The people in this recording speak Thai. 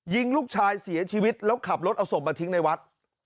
ยิงลูกชายเสียชีวิตแล้วขับรถเอาศพมาทิ้งในวัด